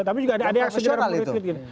tapi juga ada yang secara professional gitu